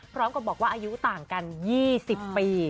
พร้อมกับบอกว่าอายุต่างกัน๒๐ปี